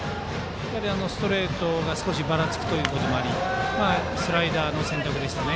ストレートが少しばらつくということもありスライダーの選択でしたね。